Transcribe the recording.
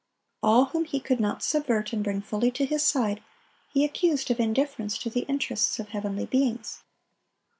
All whom he could not subvert and bring fully to his side, he accused of indifference to the interests of heavenly beings.